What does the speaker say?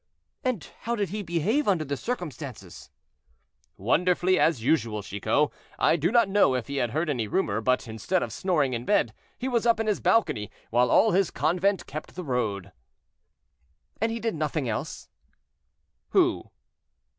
"And how did he behave under the circumstances?" "Wonderfully, as usual. Chicot, I do not know if he had heard any rumor; but instead of snoring in bed, he was up in his balcony, while all his convent kept the road." "And he did nothing else?" "Who?"